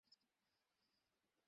এমন মনমরা হয়ে গেলে কেন?